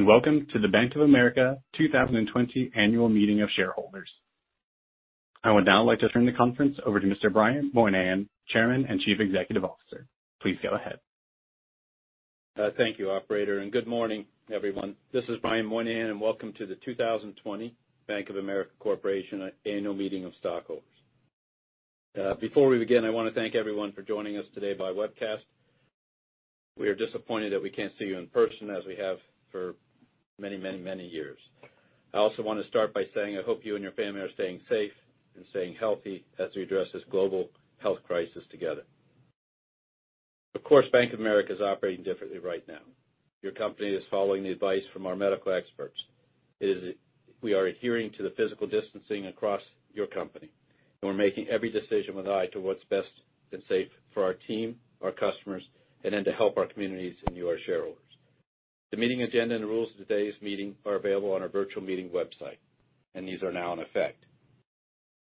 Good day, welcome to the Bank of America 2020 Annual Meeting of Shareholders. I would now like to turn the conference over to Mr. Brian Moynihan, Chairman and Chief Executive Officer. Please go ahead. Thank you, operator. Good morning, everyone. This is Brian Moynihan, and welcome to the 2020 Bank of America Corporation Annual Meeting of Stockholders. Before we begin, I want to thank everyone for joining us today by webcast. We are disappointed that we can't see you in person as we have for many years. I also want to start by saying I hope you and your family are staying safe and staying healthy as we address this global health crisis together. Of course, Bank of America is operating differently right now. Your company is following the advice from our medical experts. We are adhering to the physical distancing across your company, and we're making every decision with an eye to what's best and safe for our team, our customers, and then to help our communities and you, our shareholders. The meeting agenda and the rules of today's meeting are available on our virtual meeting website. These are now in effect.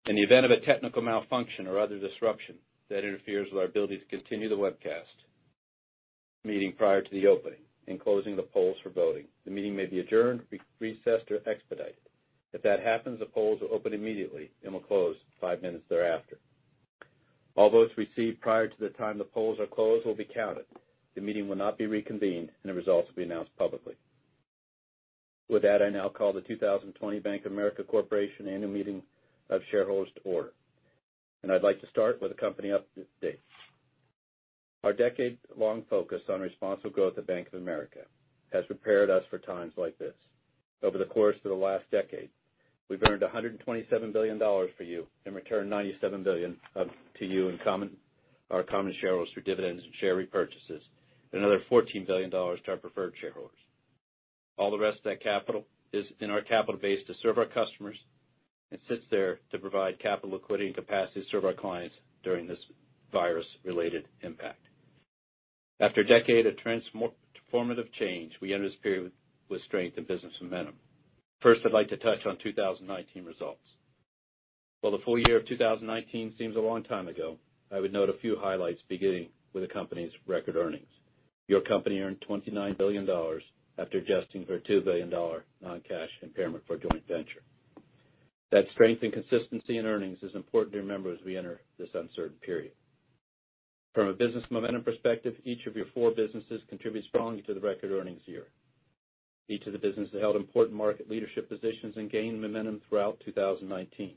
In the event of a technical malfunction or other disruption that interferes with our ability to continue the webcast meeting prior to the opening and closing of the polls for voting, the meeting may be adjourned, recessed, or expedited. If that happens, the polls will open immediately and will close five minutes thereafter. All votes received prior to the time the polls are closed will be counted. The meeting will not be reconvened. The results will be announced publicly. With that, I now call the 2020 Bank of America Corporation Annual Meeting of Shareholders to order. I'd like to start with a company update. Our decade-long focus on responsible growth at Bank of America has prepared us for times like this. Over the course of the last decade, we've earned $127 billion for you and returned $97 billion to you, our common shareholders, through dividends and share repurchases, and another $14 billion to our preferred shareholders. All the rest of that capital is in our capital base to serve our customers and sits there to provide capital liquidity and capacity to serve our clients during this virus-related impact. After a decade of transformative change, we enter this period with strength and business momentum. First, I'd like to touch on 2019 results. While the full year of 2019 seems a long time ago, I would note a few highlights, beginning with the company's record earnings. Your company earned $29 billion after adjusting for a $2 billion non-cash impairment for a joint venture. That strength and consistency in earnings is important to remember as we enter this uncertain period. From a business momentum perspective, each of your four businesses contributed strongly to the record earnings year. Each of the businesses held important market leadership positions and gained momentum throughout 2019.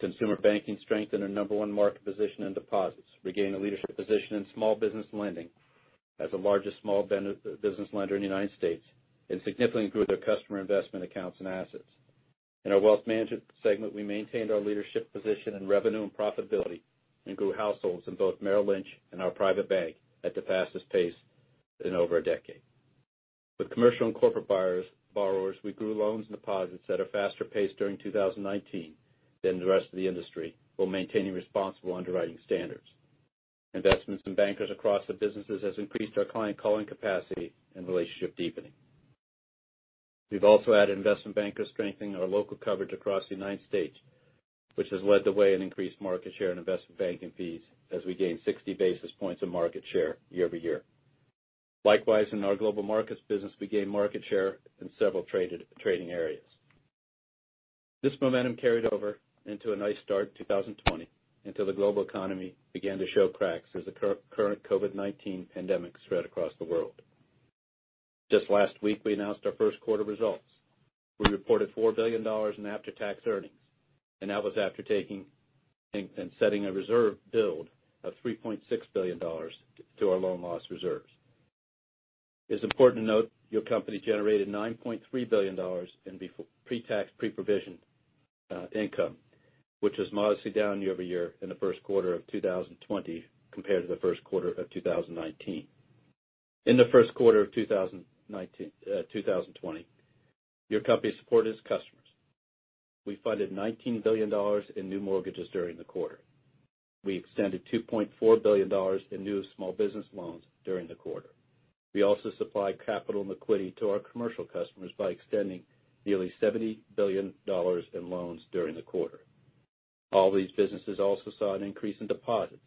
Consumer Banking strengthened our number one market position in deposits, regained a leadership position in small business lending as the largest small business lender in the U.S., and significantly grew their customer investment accounts and assets. In our Wealth Management segment, we maintained our leadership position in revenue and profitability and grew households in both Merrill Lynch and our private bank at the fastest pace in over a decade. With commercial and corporate borrowers, we grew loans and deposits at a faster pace during 2019 than the rest of the industry while maintaining responsible underwriting standards. Investments in bankers across the businesses has increased our client calling capacity and relationship deepening. We've also added investment bankers strengthening our local coverage across the United States, which has led the way in increased market share and investment banking fees as we gained 60 basis points of market share YoY. Likewise, in our global markets business, we gained market share in several trading areas. This momentum carried over into a nice start in 2020 until the global economy began to show cracks as the current COVID-19 pandemic spread across the world. Just last week, we announced our first quarter results. We reported $4 billion in after-tax earnings, and that was after taking and setting a reserve build of $3.6 billion to our loan loss reserves. It's important to note your company generated $9.3 billion in pre-tax, pre-provisioned income, which was modestly down YoY in the first quarter of 2020 compared to the first quarter of 2019. In the first quarter of 2020, your company supported its customers. We funded $19 billion in new mortgages during the quarter. We extended $2.4 billion in new small business loans during the quarter. We also supplied capital and liquidity to our commercial customers by extending nearly $70 billion in loans during the quarter. All these businesses also saw an increase in deposits,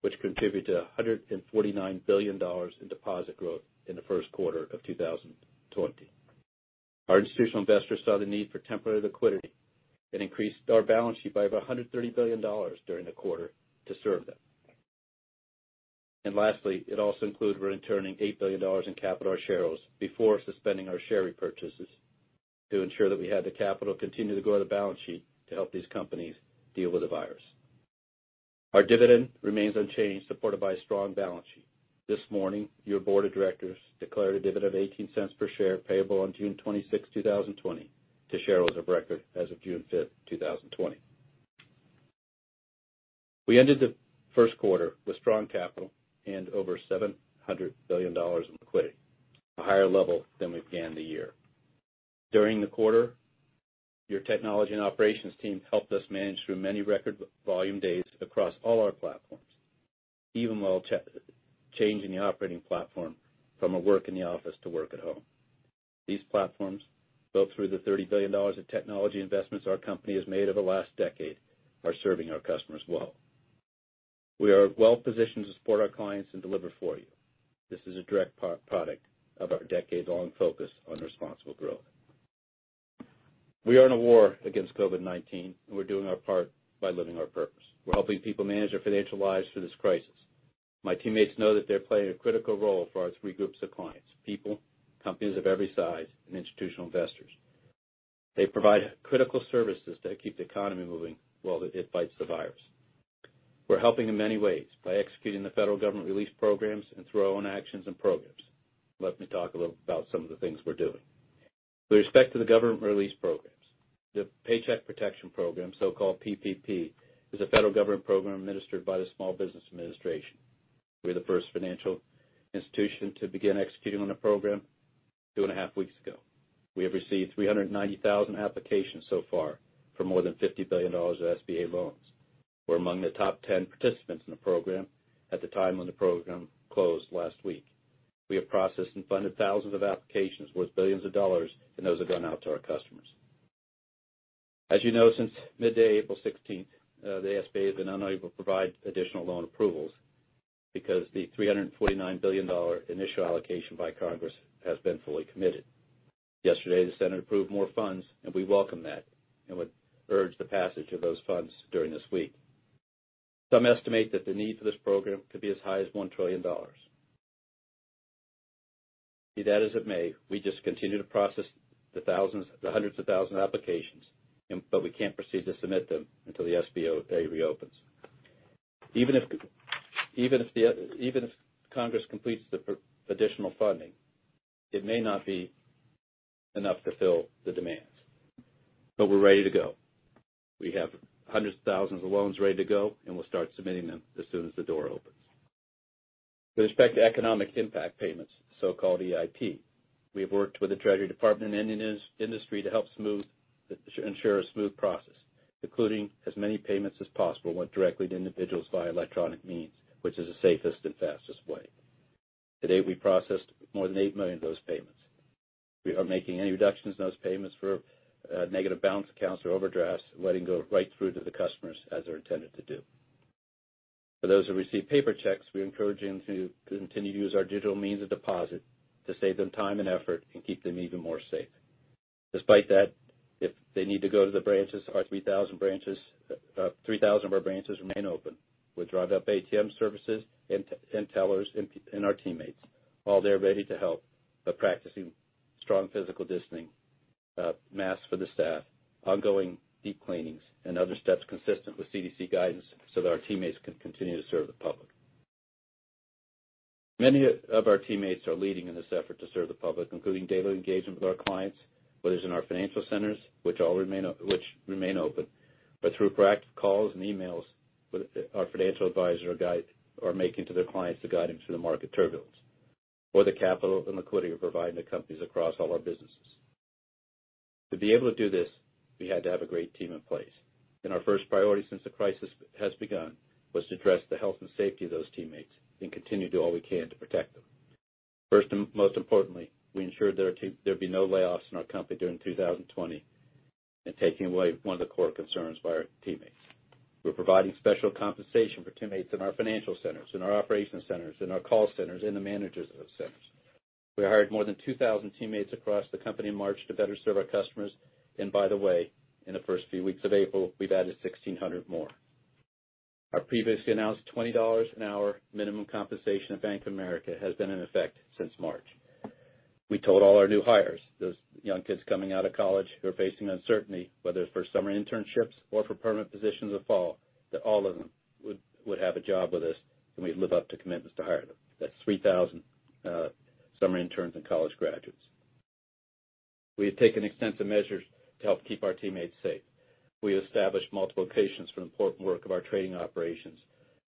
which contributed to $149 billion in deposit growth in the first quarter of 2020. Our institutional investors saw the need for temporary liquidity, increased our balance sheet by over $130 billion during the quarter to serve them. Lastly, it also includes returning $8 billion in capital to our shareholders before suspending our share repurchases to ensure that we had the capital to continue to grow the balance sheet to help these companies deal with the virus. Our dividend remains unchanged, supported by a strong balance sheet. This morning, your board of directors declared a dividend of $0.18 per share, payable on June 26th, 2020, to shareholders of record as of June 5th, 2020. We ended the first quarter with strong capital and over $700 billion in liquidity, a higher level than we began the year. During the quarter, your technology and operations team helped us manage through many record volume days across all our platforms, even while changing the operating platform from a work in the office to work at home. These platforms, built through the $30 billion of technology investments our company has made over the last decade, are serving our customers well. We are well positioned to support our clients and deliver for you. This is a direct product of our decades-long focus on responsible growth. We are in a war against COVID-19, and we're doing our part by living our purpose. We're helping people manage their financial lives through this crisis. My teammates know that they're playing a critical role for our three groups of clients, people, companies of every size, and institutional investors. They provide critical services that keep the economy moving while it fights the virus. We're helping in many ways, by executing the federal government release programs and through our own actions and programs. Let me talk a little about some of the things we're doing. With respect to the government release programs, the Paycheck Protection Program, so-called PPP, is a federal government program administered by the Small Business Administration. We're the first financial institution to begin executing on the program two and a half weeks ago. We have received 390,000 applications so far for more than $50 billion of SBA loans. We're among the top 10 participants in the program at the time when the program closed last week. We have processed and funded thousands of applications worth billions of dollars. Those are going out to our customers. As you know, since midday April 16th, the SBA has been unable to provide additional loan approvals because the $349 billion initial allocation by Congress has been fully committed. Yesterday, the Senate approved more funds. We welcome that and would urge the passage of those funds during this week. Some estimate that the need for this program could be as high as $1 trillion. Be that as it may, we just continue to process the hundreds of thousand applications. We can't proceed to submit them until the SBA reopens. Even if Congress completes the additional funding, it may not be enough to fill the demands. We're ready to go. We have hundreds of thousands of loans ready to go, and we'll start submitting them as soon as the door opens. With respect to Economic Impact Payments, so-called EIP, we have worked with the Treasury Department and industry to ensure a smooth process, including as many payments as possible went directly to individuals via electronic means, which is the safest and fastest way. To date, we processed more than 8 million of those payments. We aren't making any reductions in those payments for negative balance accounts or overdrafts, letting go right through to the customers as they're intended to do. For those who receive paper checks, we encourage them to continue to use our digital means of deposit to save them time and effort and keep them even more safe. Despite that, if they need to go to the branches, 3,000 of our branches remain open with drive-up ATM services and tellers and our teammates, all there ready to help, but practicing strong physical distancing, masks for the staff, ongoing deep cleanings, and other steps consistent with CDC guidance so that our teammates can continue to serve the public. Many of our teammates are leading in this effort to serve the public, including daily engagement with our clients, whether it's in our financial centers, which remain open, but through proactive calls and emails our financial advisor are making to their clients to guide them through the market turbulence, or the capital and liquidity we're providing to companies across all our businesses. To be able to do this, we had to have a great team in place. Our first priority since the crisis has begun was to address the health and safety of those teammates and continue to do all we can to protect them. First and most importantly, we ensured there'd be no layoffs in our company during 2020, and taking away one of the core concerns by our teammates. We're providing special compensation for teammates in our financial centers, in our operations centers, in our call centers, and the managers of those centers. We hired more than 2,000 teammates across the company in March to better serve our customers. By the way, in the first few weeks of April, we've added 1,600 more. Our previously announced $20 an hour minimum compensation at Bank of America has been in effect since March. We told all our new hires, those young kids coming out of college who are facing uncertainty, whether for summer internships or for permanent positions in fall, that all of them would have a job with us, and we'd live up to commitments to hire them. That's 3,000 summer interns and college graduates. We have taken extensive measures to help keep our teammates safe. We established multiple locations for the important work of our trading operations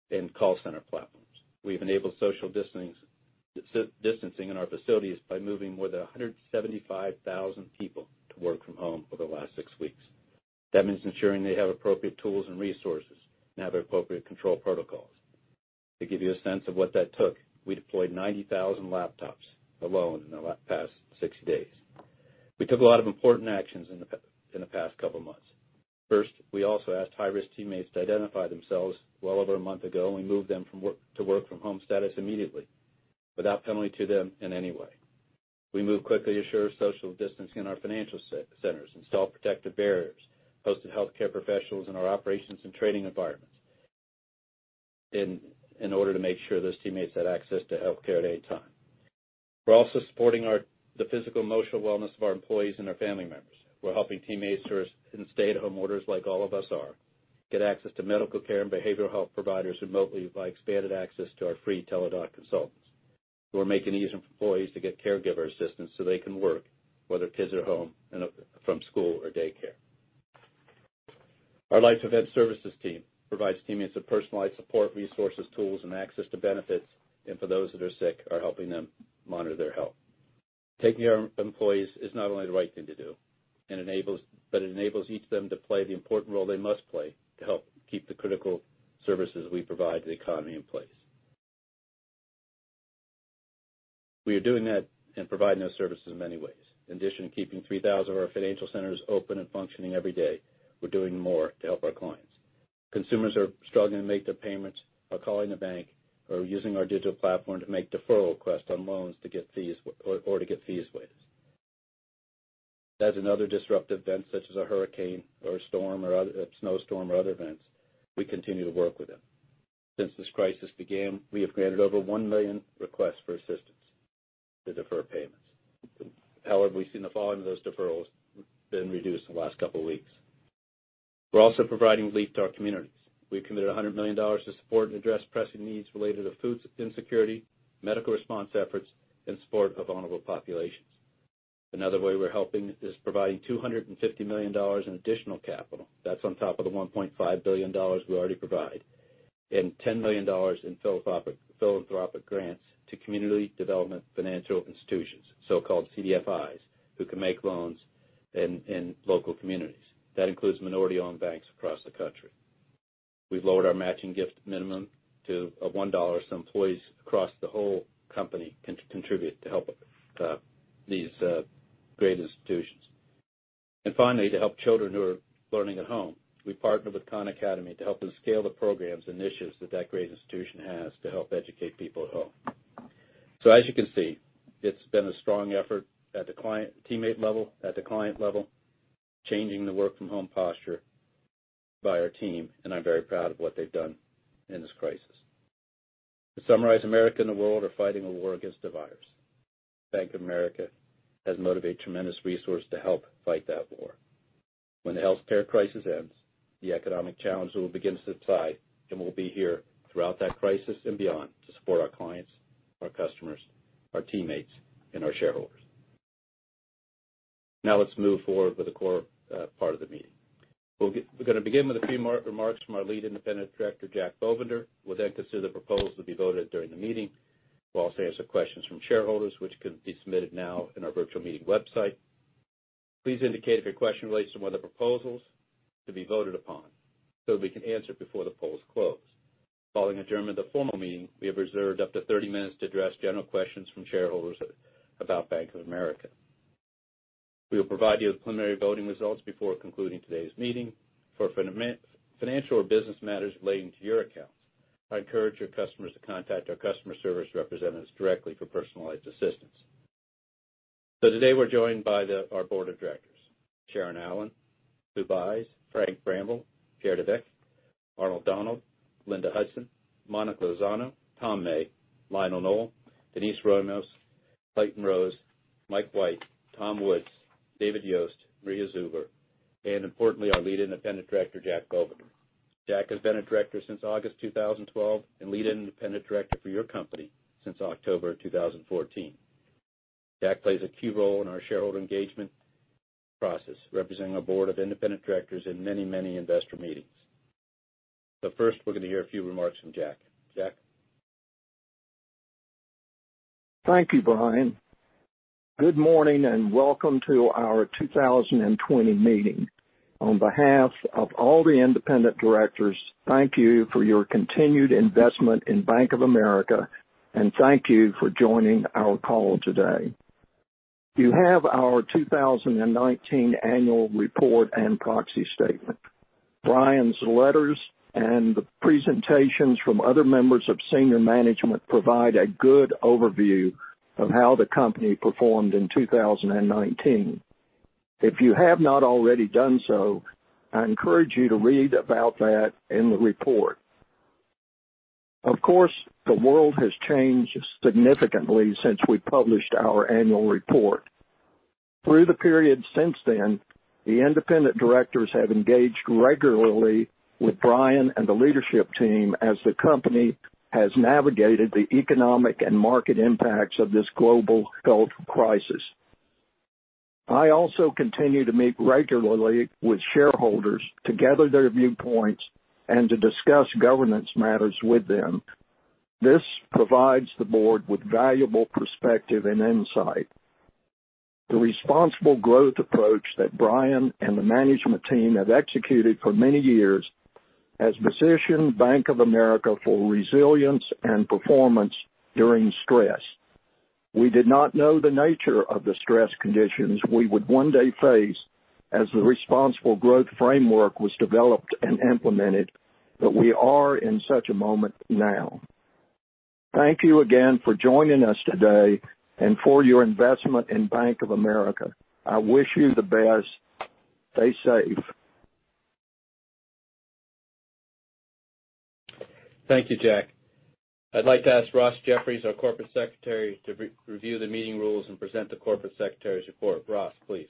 and call center platforms. We've enabled social distancing in our facilities by moving more than 175,000 people to work from home over the last six weeks. That means ensuring they have appropriate tools and resources and have appropriate control protocols. To give you a sense of what that took, we deployed 90,000 laptops alone in the past 60 days. We took a lot of important actions in the past couple of months. First, we also asked high-risk teammates to identify themselves well over a month ago, and we moved them to work-from-home status immediately, without penalty to them in any way. We moved quickly to ensure social distancing in our financial centers, installed protective barriers, hosted healthcare professionals in our operations and training environments in order to make sure those teammates had access to healthcare at any time. We're also supporting the physical and emotional wellness of our employees and our family members. We're helping teammates who are in stay-at-home orders, like all of us are, get access to medical care and behavioral health providers remotely by expanded access to our free Teladoc consultants. We're making it easy for employees to get caregiver assistance so they can work, whether kids are home from school or daycare. Our Life Event Services team provides teammates with personalized support, resources, tools, and access to benefits, and for those that are sick, are helping them monitor their health. Taking care of our employees is not only the right thing to do, but it enables each of them to play the important role they must play to help keep the critical services we provide to the economy in place. We are doing that and providing those services in many ways. In addition to keeping 3,000 of our financial centers open and functioning every day, we're doing more to help our clients. Consumers who are struggling to make their payments are calling the bank or using our digital platform to make deferral requests on loans to get these waived. As another disruptive event, such as a hurricane or a storm or a snowstorm or other events, we continue to work with them. Since this crisis began, we have granted over 1 million requests for assistance to defer payments. We've seen the volume of those deferrals then reduce in the last couple of weeks. We're also providing relief to our communities. We've committed $100 million to support and address pressing needs related to food insecurity, medical response efforts, and support of vulnerable populations. Another way we're helping is providing $250 million in additional capital. That's on top of the $1.5 billion we already provide, and $10 million in philanthropic grants to Community Development Financial Institutions, so-called CDFIs, who can make loans in local communities. That includes minority-owned banks across the country. We've lowered our matching gift minimum to $1, so employees across the whole company can contribute to help these great institutions. Finally, to help children who are learning at home, we partnered with Khan Academy to help them scale the programs and initiatives that great institution has to help educate people at home. As you can see, it's been a strong effort at the teammate level, at the client level, changing the work-from-home posture by our team, and I'm very proud of what they've done in this crisis. To summarize, America and the world are fighting a war against a virus. Bank of America has motivated tremendous resources to help fight that war. When the healthcare crisis ends, the economic challenges will begin to subside, and we'll be here throughout that crisis and beyond to support our clients, our customers, our teammates, and our shareholders. Now let's move forward with the core part of the meeting. We're going to begin with a few remarks from our Lead Independent Director, Jack Bovender. We'll then consider the proposals to be voted during the meeting. We'll also answer questions from shareholders, which can be submitted now in our virtual meeting website. Please indicate if your question relates to one of the proposals to be voted upon so that we can answer it before the polls close. Following adjournment of the formal meeting, we have reserved up to 30 minutes to address general questions from shareholders about Bank of America. We will provide you with preliminary voting results before concluding today's meeting. For financial or business matters relating to your accounts, I encourage our customers to contact our customer service representatives directly for personalized assistance. Today, we're joined by our Board of Directors, Sharon Allen, Sue Baez, Frank Bramble, Pierre de Weck, Arnold Donald, Linda Hudson, Monica Lozano, Tom May, Lionel Nowell, Denise Ramos, Clayton Rose, Mike White, Tom Woods, David Yost, Maria Zuber, and importantly, our Lead Independent Director, Jack Bovender. Jack has been a director since August 2012 and Lead Independent Director for your company since October 2014. Jack plays a key role in our shareholder engagement process, representing our board of independent directors in many investor meetings. First, we're going to hear a few remarks from Jack. Jack? Thank you, Brian. Good morning, and welcome to our 2020 meeting. On behalf of all the independent directors, thank you for your continued investment in Bank of America, and thank you for joining our call today. You have our 2019 annual report and proxy statement. Brian's letters and the presentations from other members of senior management provide a good overview of how the company performed in 2019. If you have not already done so, I encourage you to read about that in the report. Of course, the world has changed significantly since we published our annual report. Through the period since then, the independent directors have engaged regularly with Brian and the leadership team as the company has navigated the economic and market impacts of this global health crisis. I also continue to meet regularly with shareholders to gather their viewpoints and to discuss governance matters with them. This provides the board with valuable perspective and insight. The responsible growth approach that Brian and the management team have executed for many years has positioned Bank of America for resilience and performance during stress. We did not know the nature of the stress conditions we would one day face as the responsible growth framework was developed and implemented, but we are in such a moment now. Thank you again for joining us today and for your investment in Bank of America. I wish you the best. Stay safe. Thank you, Jack. I'd like to ask Ross Jeffries, our Corporate Secretary, to review the meeting rules and present the Corporate Secretary's report. Ross, please.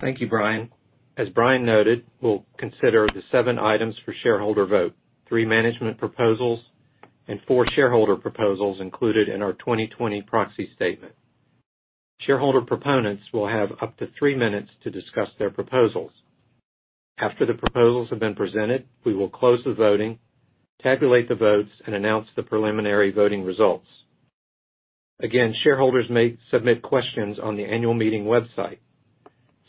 Thank you, Brian. As Brian noted, we'll consider the seven items for shareholder vote, three management proposals and four shareholder proposals included in our 2020 proxy statement. Shareholder proponents will have up to three minutes to discuss their proposals. After the proposals have been presented, we will close the voting, tabulate the votes, and announce the preliminary voting results. Again, shareholders may submit questions on the annual meeting website.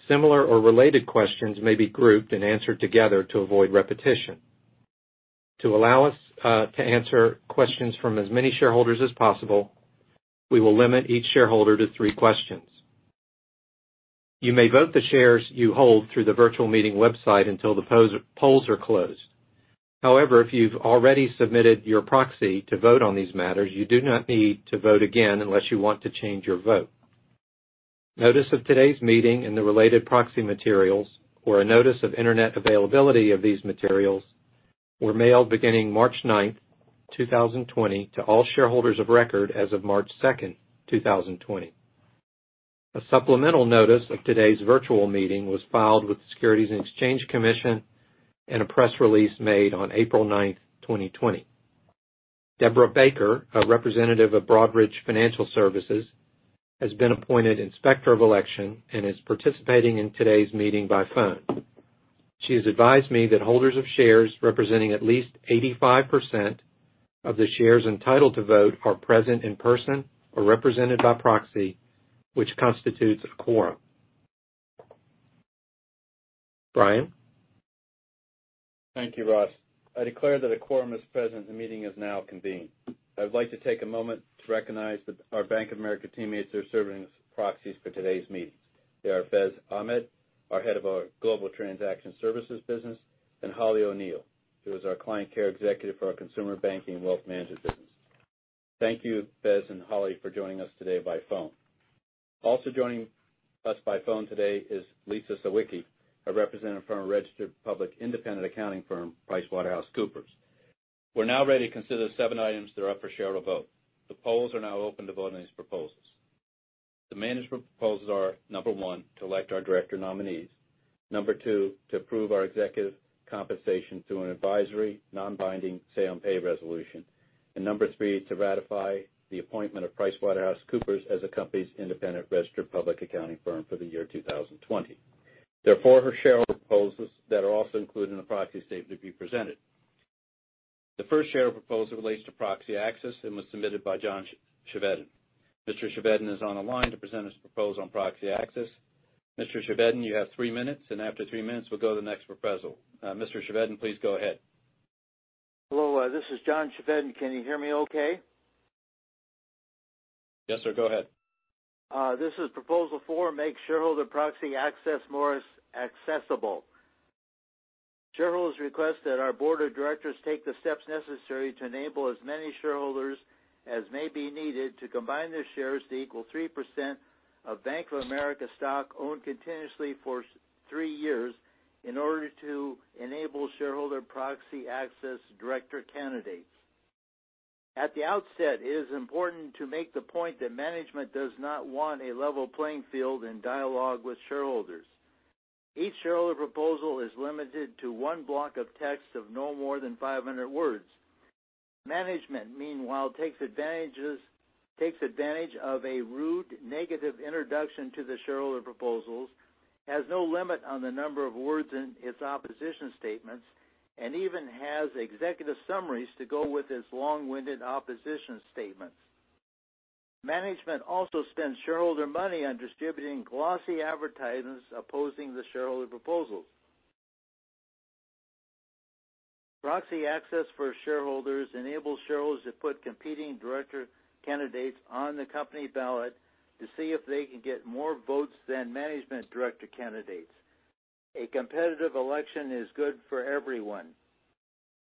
Similar or related questions may be grouped and answered together to avoid repetition. To allow us to answer questions from as many shareholders as possible, we will limit each shareholder to three questions. You may vote the shares you hold through the virtual meeting website until the polls are closed. If you've already submitted your proxy to vote on these matters, you do not need to vote again unless you want to change your vote. Notice of today's meeting and the related proxy materials, or a notice of internet availability of these materials, were mailed beginning March 9th, 2020, to all shareholders of record as of March 2nd, 2020. A supplemental notice of today's virtual meeting was filed with the Securities and Exchange Commission, and a press release made on April 9th, 2020. Deborah Baker, a representative of Broadridge Financial Solutions, has been appointed Inspector of Election and is participating in today's meeting by phone. She has advised me that holders of shares representing at least 85% of the shares entitled to vote are present in person or represented by proxy, which constitutes a quorum. Brian? Thank you, Ross. I declare that a quorum is present. The meeting is now convened. I would like to take a moment to recognize that our Bank of America teammates are serving as proxies for today's meetings. They are Faiz Ahmad, our head of our Global Transaction Services business, and Holly O'Neill, who is our Client Care Executive for our Consumer Banking and Wealth Management business. Thank you, Faiz and Holly, for joining us today by phone. Also joining us by phone today is Lisa Sawicki, a representative from a registered public independent accounting firm, PricewaterhouseCoopers. We're now ready to consider the seven items that are up for shareholder vote. The polls are now open to vote on these proposals. The management proposals are, number one, to elect our director nominees. Number two, to approve our executive compensation through an advisory, non-binding say on pay resolution. Number three, to ratify the appointment of PricewaterhouseCoopers as the company's independent registered public accounting firm for the year 2020. There are four shareholder proposals that are also included in the proxy statement to be presented. The first shareholder proposal relates to proxy access and was submitted by John Chevedden. Mr. Chevedden is on the line to present his proposal on proxy access. Mr. Chevedden, you have three minutes, after three minutes, we'll go to the next proposal. Mr. Chevedden, please go ahead. Hello, this is John Chevedden. Can you hear me okay? Yes, sir. Go ahead. This is Proposal 4, make shareholder proxy access more accessible. Shareholders request that our board of directors take the steps necessary to enable as many shareholders as may be needed to combine their shares to equal 3% of Bank of America stock owned continuously for three years in order to enable shareholder proxy access director candidates. At the outset, it is important to make the point that management does not want a level playing field in dialogue with shareholders. Each shareholder proposal is limited to one block of text of no more than 500 words. Management, meanwhile, takes advantage of a rude, negative introduction to the shareholder proposals, has no limit on the number of words in its opposition statements, and even has executive summaries to go with its long-winded opposition statements. Management also spends shareholder money on distributing glossy advertisements opposing the shareholder proposals. Proxy access for shareholders enables shareholders to put competing director candidates on the company ballot to see if they can get more votes than management director candidates. A competitive election is good for everyone.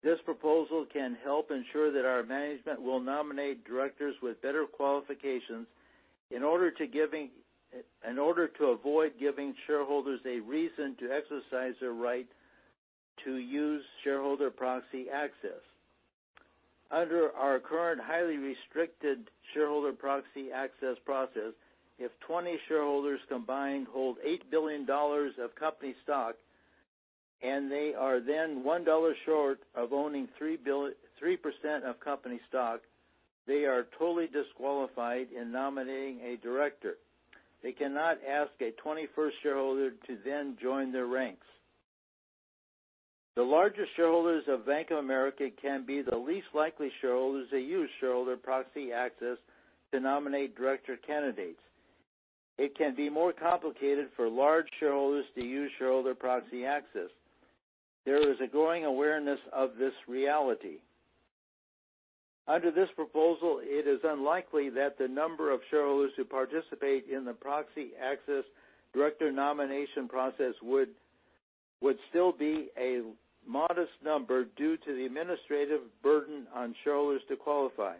This proposal can help ensure that our management will nominate directors with better qualifications in order to avoid giving shareholders a reason to exercise their right to use shareholder proxy access. Under our current highly restricted shareholder proxy access process, if 20 shareholders combined hold $8 billion of company stock, and they are then $1 short of owning 3% of company stock, they are totally disqualified in nominating a director. They cannot ask a 21st shareholder to then join their ranks. The largest shareholders of Bank of America can be the least likely shareholders to use shareholder proxy access to nominate director candidates. It can be more complicated for large shareholders to use shareholder proxy access. There is a growing awareness of this reality. Under this proposal, it is unlikely that the number of shareholders who participate in the proxy access director nomination process would still be a modest number due to the administrative burden on shareholders to qualify.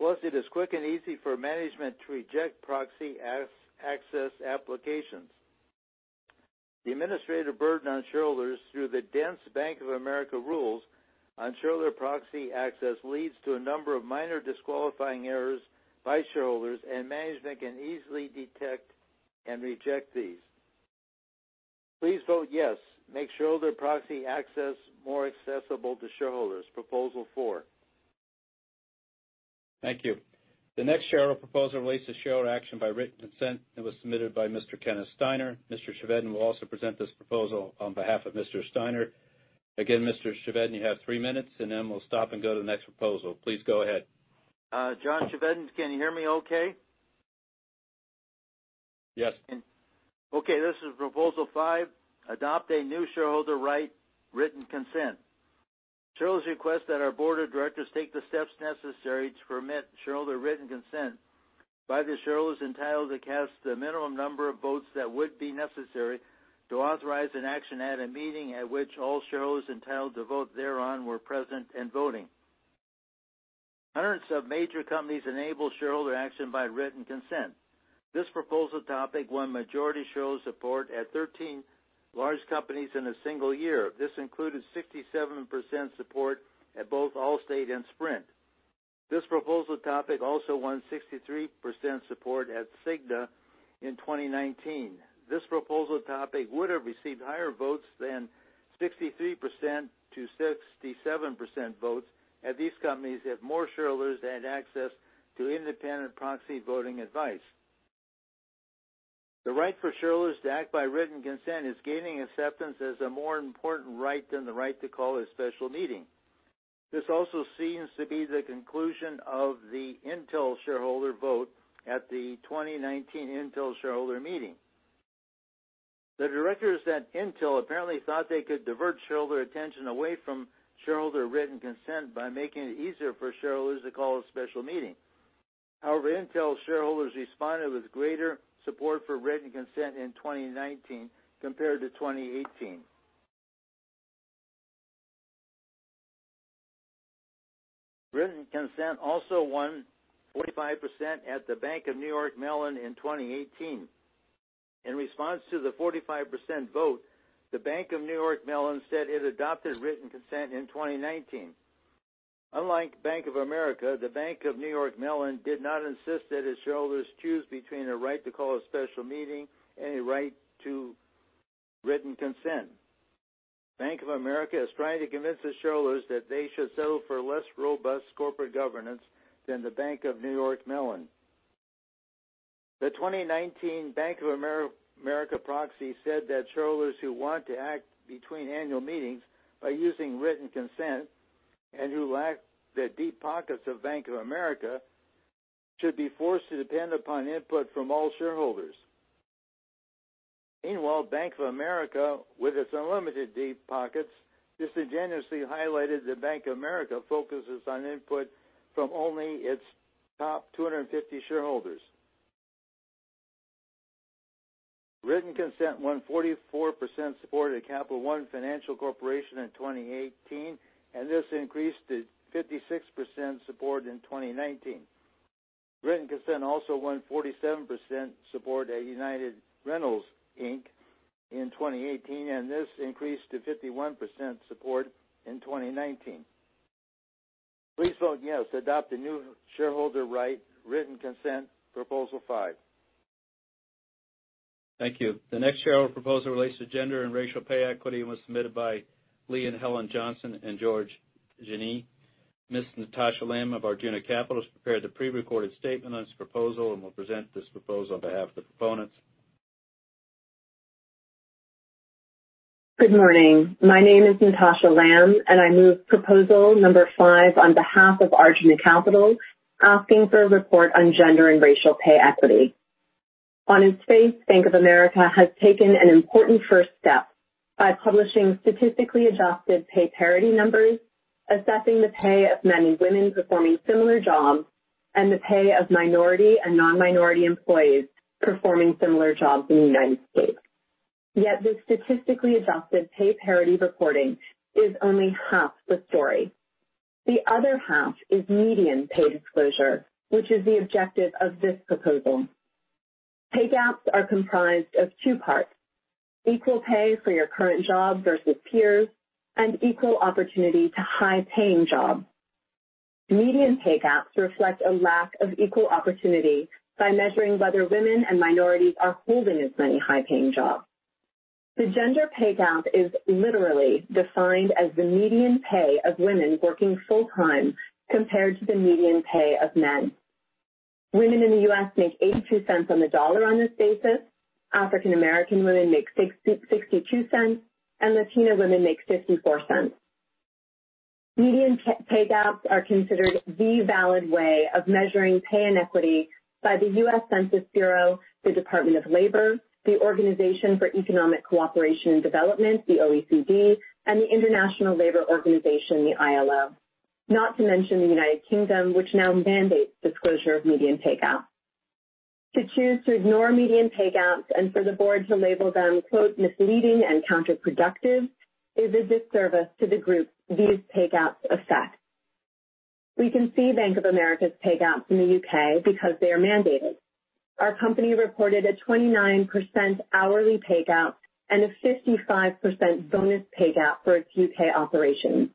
Plus, it is quick and easy for management to reject proxy access applications. The administrative burden on shareholders through the dense Bank of America rules on shareholder proxy access leads to a number of minor disqualifying errors by shareholders, and management can easily detect and reject these. Please vote yes. Make shareholder proxy access more accessible to shareholders. Proposal 4. Thank you. The next shareholder proposal relates to shareholder action by written consent and was submitted by Mr. Kenneth Steiner. Mr. Chevedden will also present this proposal on behalf of Mr. Steiner. Again, Mr. Chevedden, you have three minutes, and then we'll stop and go to the next proposal. Please go ahead. John Chevedden. Can you hear me okay? Yes. Okay, this is Proposal 5, adopt a new shareholder right, written consent. Shareholders request that our board of directors take the steps necessary to permit shareholder written consent by the shareholders entitled to cast the minimum number of votes that would be necessary to authorize an action at a meeting at which all shareholders entitled to vote thereon were present and voting. Hundreds of major companies enable shareholder action by written consent. This proposal topic won majority shareholder support at 13 large companies in a single year. This included 67% support at both The Allstate Corporation and Sprint Corporation. This proposal topic also won 63% support at Cigna in 2019. This proposal topic would have received higher votes than 63%-67% votes had these companies had more shareholders had access to independent proxy voting advice. The right for shareholders to act by written consent is gaining acceptance as a more important right than the right to call a special meeting. This also seems to be the conclusion of the Intel shareholder vote at the 2019 Intel shareholder meeting. The directors at Intel apparently thought they could divert shareholder attention away from shareholder written consent by making it easier for shareholders to call a special meeting. However, Intel shareholders responded with greater support for written consent in 2019 compared to 2018. Written consent also won 45% at The Bank of New York Mellon in 2018. In response to the 45% vote, The Bank of New York Mellon said it adopted written consent in 2019. Unlike Bank of America, The Bank of New York Mellon did not insist that its shareholders choose between a right to call a special meeting and a right to written consent. Bank of America is trying to convince its shareholders that they should settle for less robust corporate governance than The Bank of New York Mellon. The 2019 Bank of America proxy said that shareholders who want to act between annual meetings by using written consent and who lack the deep pockets of Bank of America, should be forced to depend upon input from all shareholders. Meanwhile, Bank of America, with its unlimited deep pockets, disingenuously highlighted that Bank of America focuses on input from only its top 250 shareholders. Written consent won 44% support at Capital One Financial Corporation in 2018, and this increased to 56% support in 2019. Written consent also won 47% support at United Rentals, Inc. in 2018. This increased to 51% support in 2019. Please vote yes to adopt the new shareholder right written consent Proposal 5. Thank you. The next shareholder proposal relates to gender and racial pay equity and was submitted by Lee and Helen Johnson and George Gund. Ms. Natasha Lamb of Arjuna Capital has prepared the pre-recorded statement on this proposal and will present this proposal on behalf of the proponents. Good morning. My name is Natasha Lamb, and I move Proposal number five on behalf of Arjuna Capital, asking for a report on gender and racial pay equity. On its face, Bank of America has taken an important first step by publishing statistically adjusted pay parity numbers, assessing the pay of men and women performing similar jobs, and the pay of minority and non-minority employees performing similar jobs in the United States. Yet this statistically adjusted pay parity reporting is only half the story. The other half is median pay disclosure, which is the objective of this proposal. Pay gaps are comprised of two parts, equal pay for your current job versus peers, and equal opportunity to high-paying jobs. Median pay gaps reflect a lack of equal opportunity by measuring whether women and minorities are holding as many high-paying jobs. The gender pay gap is literally defined as the median pay of women working full-time compared to the median pay of men. Women in the U.S. make $0.82 on the dollar on this basis, African American women make $0.62, and Latina women make $0.54. Median pay gaps are considered the valid way of measuring pay inequity by the U.S. Census Bureau, the Department of Labor, the Organisation for Economic Co-operation and Development, the OECD, and the International Labour Organization, the ILO. Not to mention the United Kingdom, which now mandates disclosure of median pay gap. To choose to ignore median pay gaps and for the board to label them, quote, "misleading and counterproductive," is a disservice to the group these pay gaps affect. We can see Bank of America's pay gaps in the U.K. because they are mandated. Our company reported a 29% hourly pay gap and a 55% bonus pay gap for its U.K. operations.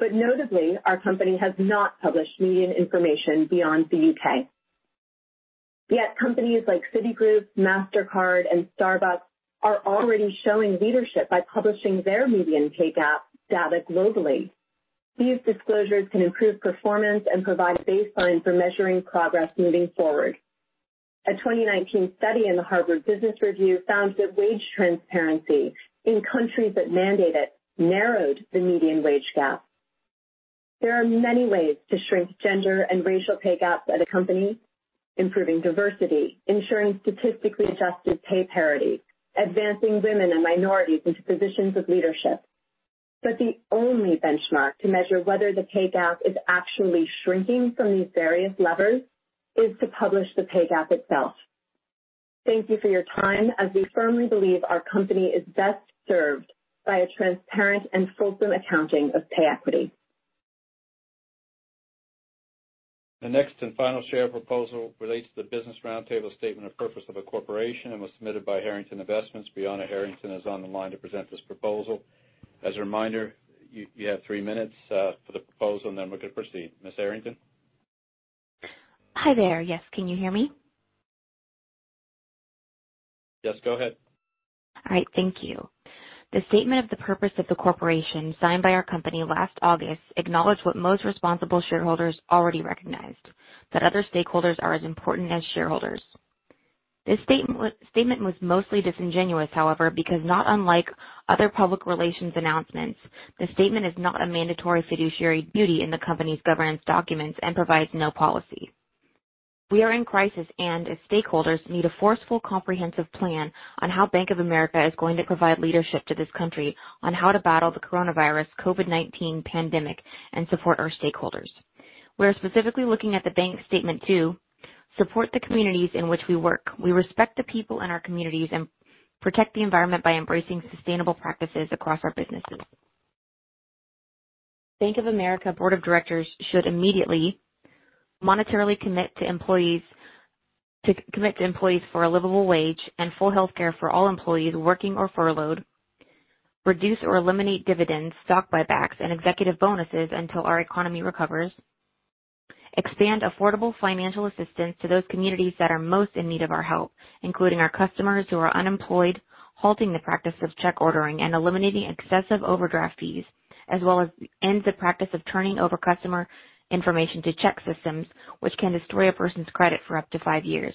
Notably, our company has not published median information beyond the U.K. Companies like Citigroup, Mastercard, and Starbucks are already showing leadership by publishing their median pay gap data globally. These disclosures can improve performance and provide a baseline for measuring progress moving forward. A 2019 study in the Harvard Business Review found that wage transparency in countries that mandate it narrowed the median wage gap. There are many ways to shrink gender and racial pay gaps at a company. Improving diversity, ensuring statistically adjusted pay parity, advancing women and minorities into positions of leadership. The only benchmark to measure whether the pay gap is actually shrinking from these various levers is to publish the pay gap itself. Thank you for your time, as we firmly believe our company is best served by a transparent and fulsome accounting of pay equity. The next and final share proposal relates to the Business Roundtable statement of purpose of a corporation and was submitted by Harrington Investments. Brianna Harrington is on the line to present this proposal. As a reminder, you have three minutes for the proposal, and then we can proceed. Ms. Harrington? Hi there. Yes, can you hear me? Yes, go ahead. All right. Thank you. The statement of the purpose of the corporation, signed by our company last August, acknowledged what most responsible shareholders already recognized, that other stakeholders are as important as shareholders. This statement was mostly disingenuous, however, because not unlike other public relations announcements, the statement is not a mandatory fiduciary duty in the company's governance documents and provides no policy. We are in crisis, and as stakeholders, need a forceful, comprehensive plan on how Bank of America is going to provide leadership to this country on how to battle the coronavirus COVID-19 pandemic and support our stakeholders. We are specifically looking at the bank's statement to support the communities in which we work. We respect the people in our communities and protect the environment by embracing sustainable practices across our businesses. Bank of America board of directors should immediately monetarily commit to employees for a livable wage and full healthcare for all employees, working or furloughed. Reduce or eliminate dividends, stock buybacks, and executive bonuses until our economy recovers. Expand affordable financial assistance to those communities that are most in need of our help, including our customers who are unemployed, halting the practice of check ordering and eliminating excessive overdraft fees, as well as end the practice of turning over customer information to ChexSystems, which can destroy a person's credit for up to five years.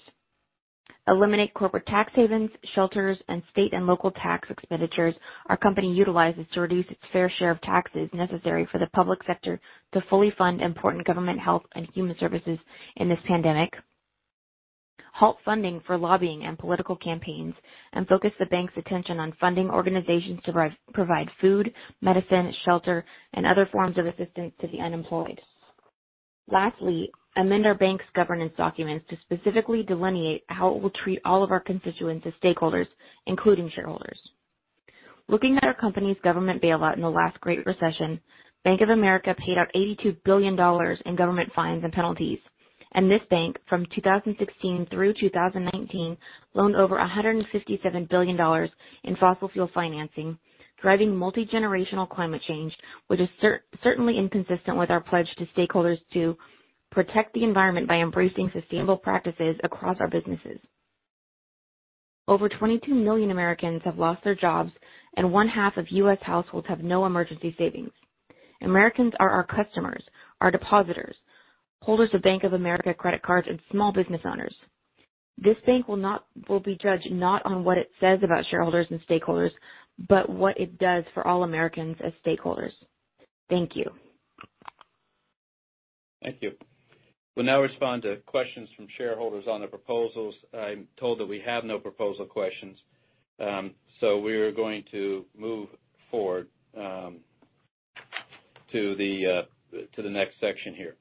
Eliminate corporate tax havens, shelters, and state and local tax expenditures our company utilizes to reduce its fair share of taxes necessary for the public sector to fully fund important government health and human services in this pandemic. Halt funding for lobbying and political campaigns and focus the bank's attention on funding organizations to provide food, medicine, shelter, and other forms of assistance to the unemployed. Lastly, amend our bank's governance documents to specifically delineate how it will treat all of our constituents as stakeholders, including shareholders. Looking at our company's government bailout in the last Great Recession, Bank of America paid out $82 billion in government fines and penalties. This bank, from 2016 through 2019, loaned over $157 billion in fossil fuel financing, driving multi-generational climate change, which is certainly inconsistent with our pledge to stakeholders to protect the environment by embracing sustainable practices across our businesses. Over 22 million Americans have lost their jobs, and one-half of U.S. households have no emergency savings. Americans are our customers, our depositors, holders of Bank of America credit cards, and small business owners. This bank will be judged not on what it says about shareholders and stakeholders, but what it does for all Americans as stakeholders. Thank you. Thank you. We'll now respond to questions from shareholders on the proposals. I'm told that we have no proposal questions. We are going to move forward to the next section here.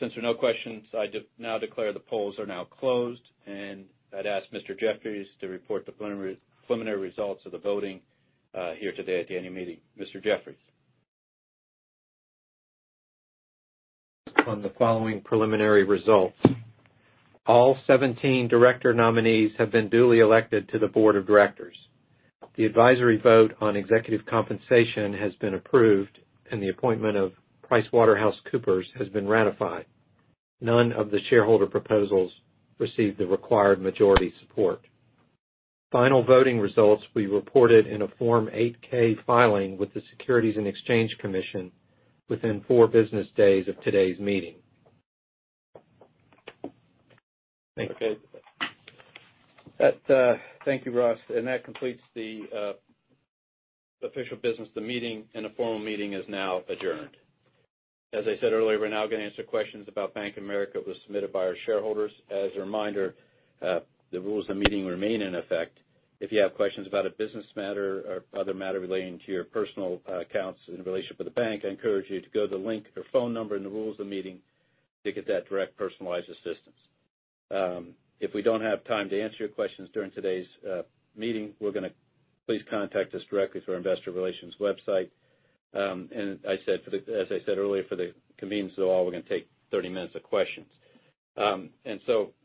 Since there are no questions, I now declare the polls are now closed. I'd ask Mr. Jeffries to report the preliminary results of the voting here today at the annual meeting. Mr. Jeffries. On the following preliminary results, all 17 director nominees have been duly elected to the board of directors. The advisory vote on executive compensation has been approved, and the appointment of PricewaterhouseCoopers has been ratified. None of the shareholder proposals received the required majority support. Final voting results will be reported in a Form 8-K filing with the Securities and Exchange Commission within four business days of today's meeting. Thank you. Thank you, Ross. That completes the official business. The meeting and the formal meeting is now adjourned. As I said earlier, we're now going to answer questions about Bank of America that was submitted by our shareholders. As a reminder, the rules of the meeting remain in effect. If you have questions about a business matter or other matter relating to your personal accounts in relation to the bank, I encourage you to go to the link or phone number in the rules of the meeting to get that direct, personalized assistance. If we don't have time to answer your questions during today's meeting, please contact us directly through our Investor Relations website. As I said earlier, for the convenience of all, we're going to take 30 minutes of questions. The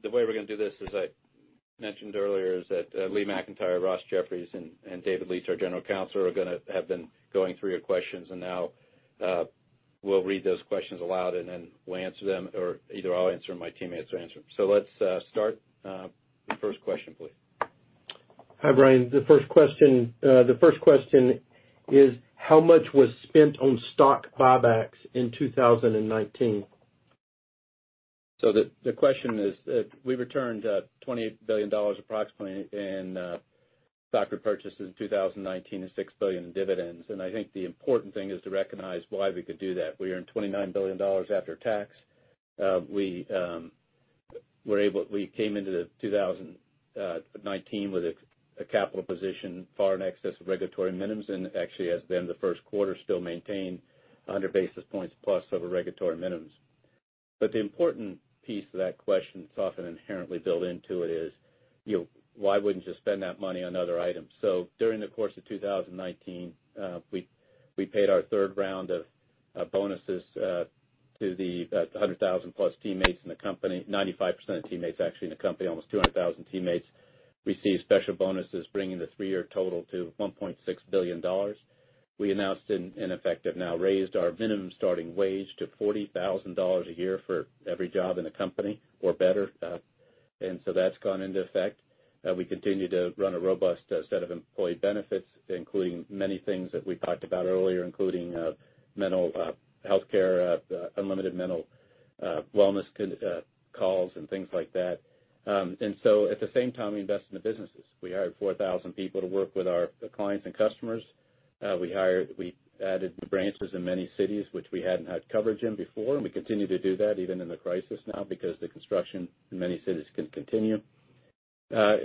way we're going to do this, as I mentioned earlier, is that Lee McEntire, Ross Jeffries, and David Leitch, our general counsel, have been going through your questions, and now we'll read those questions aloud, and then we'll answer them, or either I'll answer them or my teammates will answer them. Let's start. The first question, please. Hi, Brian. The first question is, how much was spent on stock buybacks in 2019? The question is, we returned $28 billion approximately in stock repurchases in 2019, and $6 billion in dividends. I think the important thing is to recognize why we could do that. We earned $29 billion after tax. We came into 2019 with a capital position far in excess of regulatory minimums, and actually, as of the end of the first quarter, still maintain 100 basis points+ over regulatory minimums. The important piece of that question that's often inherently built into it is, why wouldn't you spend that money on other items? During the course of 2019, we paid our third round of bonuses to the 100,000+ teammates in the company. 95% of teammates, actually, in the company, almost 200,000 teammates, received special bonuses, bringing the three-year total to $1.6 billion. We announced, and in effect have now raised, our minimum starting wage to $40,000 a year for every job in the company or better. That's gone into effect. We continue to run a robust set of employee benefits, including many things that we talked about earlier, including mental healthcare, unlimited mental wellness calls, and things like that. At the same time, we invest in the businesses. We hired 4,000 people to work with our clients and customers. We added branches in many cities which we hadn't had coverage in before, and we continue to do that even in the crisis now because the construction in many cities can continue.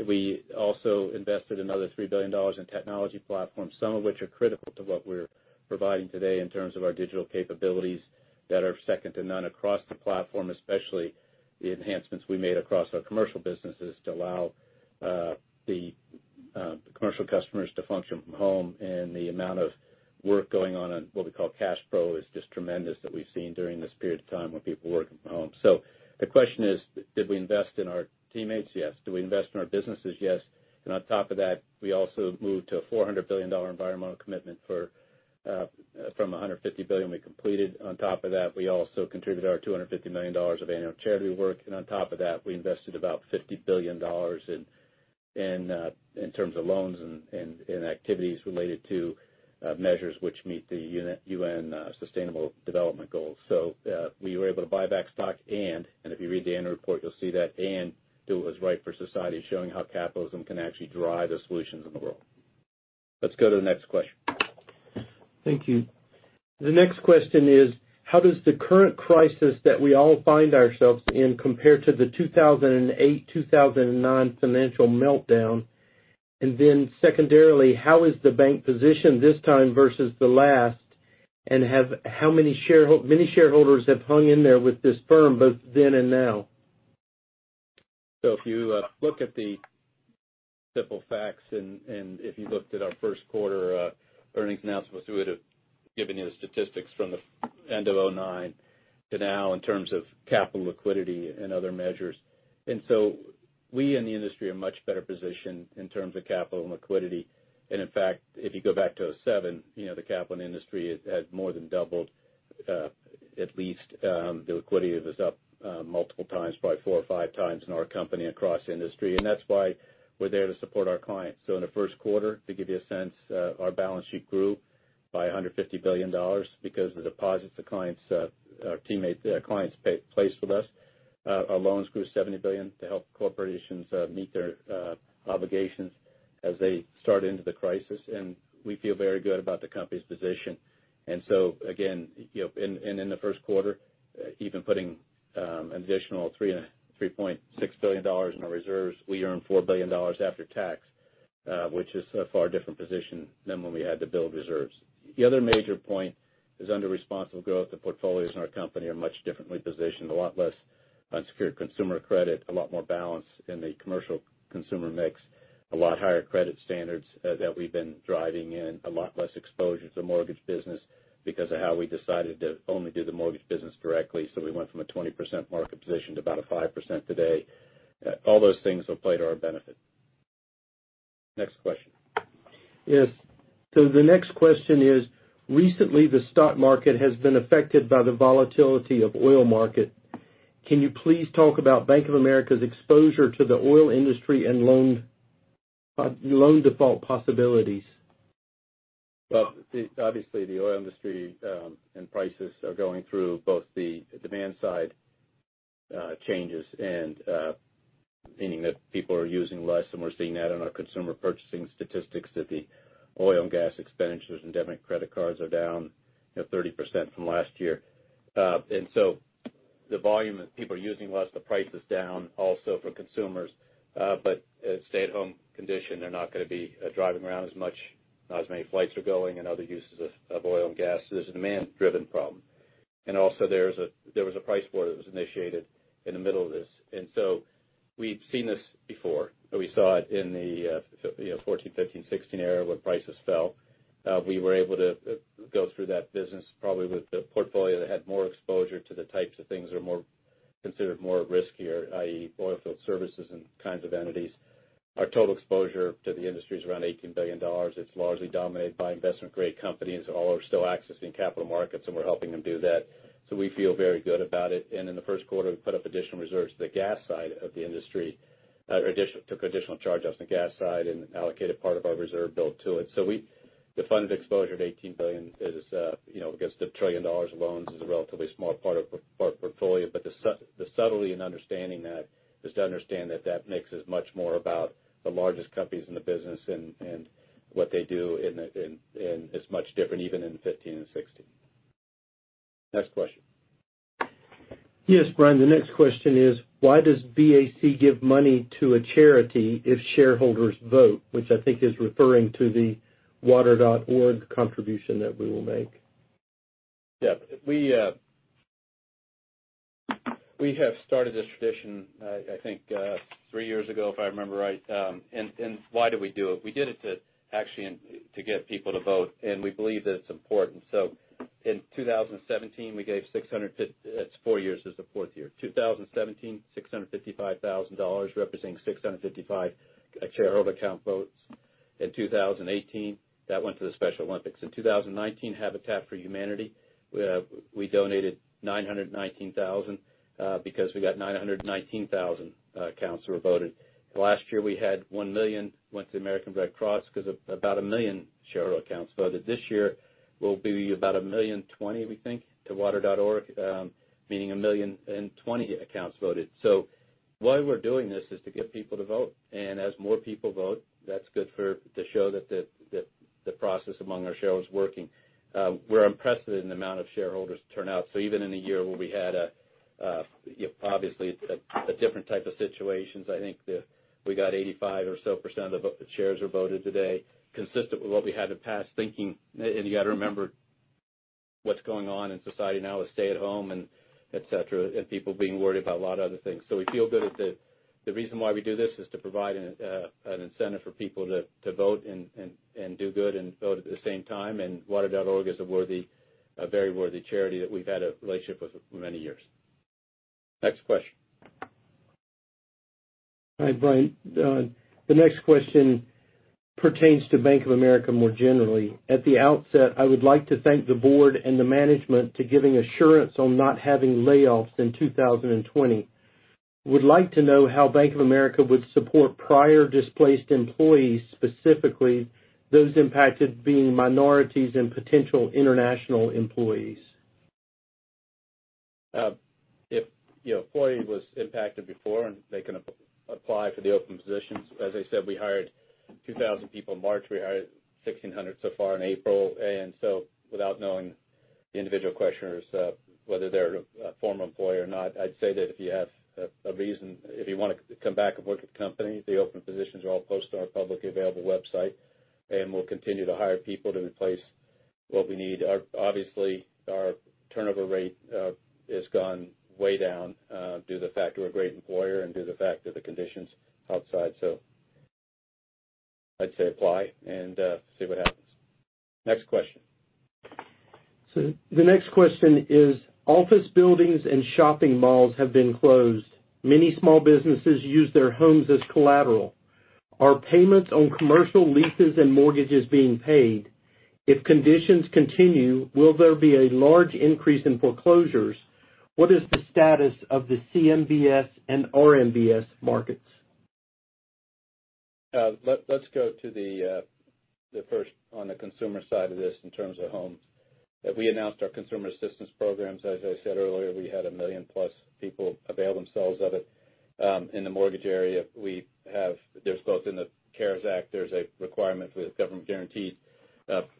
We also invested another $3 billion in technology platforms, some of which are critical to what we're providing today in terms of our digital capabilities that are second to none across the platform, especially the enhancements we made across our commercial businesses to allow the commercial customers to function from home. The amount of work going on what we call CashPro is just tremendous that we've seen during this period of time when people are working from home. The question is, did we invest in our teammates? Yes. Do we invest in our businesses? Yes. On top of that, we also moved to a $400 billion environmental commitment from the $150 billion we completed. On top of that, we also contributed our $250 million of annual charity work. On top of that, we invested about $50 billion in terms of loans and in activities related to measures which meet the UN Sustainable Development Goals. We were able to buy back stock and, if you read the annual report, you'll see that, and do what was right for society, showing how capitalism can actually drive the solutions in the world. Let's go to the next question. Thank you. The next question is, how does the current crisis that we all find ourselves in compare to the 2008-2009 financial meltdown? Secondarily, how is the bank positioned this time versus the last? How many shareholders have hung in there with this firm, both then and now? If you look at the simple facts, if you looked at our first quarter earnings announcement, we would've given you the statistics from the end of 2009 to now in terms of capital liquidity and other measures. We in the industry are much better positioned in terms of capital and liquidity. In fact, if you go back to 2007, the capital in the industry has more than doubled. At least the liquidity was up multiple times, probably four or five times in our company across the industry. That's why we're there to support our clients. In the first quarter, to give you a sense, our balance sheet grew by $150 billion because the deposits the teammates, clients placed with us. Our loans grew $70 billion to help corporations meet their obligations as they start into the crisis. We feel very good about the company's position. Again, in the first quarter, even putting an additional $3.6 billion in our reserves, we earned $4 billion after tax, which is a far different position than when we had to build reserves. The other major point is under Responsible Growth, the portfolios in our company are much differently positioned. A lot less unsecured consumer credit, a lot more balance in the commercial consumer mix, a lot higher credit standards that we've been driving, and a lot less exposure to the mortgage business because of how we decided to only do the mortgage business directly. We went from a 20% market position to about a 5% today. All those things have played to our benefit. Next question. Yes. The next question is, recently, the stock market has been affected by the volatility of oil market. Can you please talk about Bank of America's exposure to the oil industry and loan default possibilities? Obviously, the oil industry and prices are going through both the demand-side changes, meaning that people are using less, and we're seeing that in our consumer purchasing statistics, that the oil and gas expenditures and debit and credit cards are down 30% from last year. The volume that people are using less, the price is down also for consumers. Stay-at-home condition, they're not going to be driving around as much. Not as many flights are going and other uses of oil and gas. There's a demand-driven problem. Also, there was a price war that was initiated in the middle of this. We've seen this before. We saw it in the 2014, 2015, 2016 era when prices fell. We were able to go through that business probably with a portfolio that had more exposure to the types of things that are considered more riskier, i.e., oil field services and kinds of entities. Our total exposure to the industry is around $18 billion. It's largely dominated by investment-grade companies that all are still accessing capital markets. We're helping them do that. We feel very good about it. In the first quarter, we put up additional reserves to the gas side of the industry. We took additional charge off the gas side and allocated part of our reserve build to it. The funded exposure of $18 billion is, because the $1 trillion of loans is a relatively small part of our portfolio. The subtlety in understanding that is to understand that makes us much more about the largest companies in the business and what they do, and it's much different even in 2015 and 2016. Next question. Yes, Brian, the next question is: Why does BAC give money to a charity if shareholders vote? Which I think is referring to the Water.org contribution that we will make. Yeah. We have started this tradition, I think, three years ago, if I remember right. Why did we do it? We did it to actually to get people to vote, and we believe that it's important. In 2017, we gave 650, it's four years, this is the fourth year. 2017, $655,000, representing 655 shareholder account votes. In 2018, that went to the Special Olympics. In 2019, Habitat for Humanity. We donated $919,000, because we got 919,000 accounts who voted. Last year, we had 1 million went to the American Red Cross because of about 1 million shareholder accounts voted. This year will be about 1,020,000, we think, to Water.org, meaning 1,020,000 accounts voted. Why we're doing this is to get people to vote. As more people vote, that's good to show that the process among our shareholders is working. We're impressed with the amount of shareholders turn out. Even in a year where we had obviously a different type of situations, I think that we got 85% or so of the shares are voted today, consistent with what we had in the past. You got to remember what's going on in society now with stay at home and et cetera, and people being worried about a lot of other things. We feel good that the reason why we do this is to provide an incentive for people to vote and do good and vote at the same time. Water.org is a very worthy charity that we've had a relationship with for many years. Next question. Hi, Brian. The next question pertains to Bank of America more generally. At the outset, I would like to thank the board and the management to giving assurance on not having layoffs in 2020. Would like to know how Bank of America would support prior displaced employees, specifically those impacted being minorities and potential international employees. If your employee was impacted before, and they can apply for the open positions. As I said, we hired 2,000 people in March. We hired 1,600 so far in April. Without knowing the individual questioners, whether they're a former employee or not, I'd say that if you have a reason, if you want to come back and work at the company, the open positions are all posted on our publicly available website, and we'll continue to hire people to replace what we need. Obviously, our turnover rate has gone way down, due to the fact we're a great employer and due to the fact of the conditions outside. I'd say apply and see what happens. Next question. The next question is, office buildings and shopping malls have been closed. Many small businesses use their homes as collateral. Are payments on commercial leases and mortgages being paid? If conditions continue, will there be a large increase in foreclosures? What is the status of the CMBS and RMBS markets? Let's go to the first on the consumer side of this in terms of homes. We announced our consumer assistance programs. As I said earlier, we had 1 million+ people avail themselves of it. In the mortgage area, both in the CARES Act, there's a requirement for the government guaranteed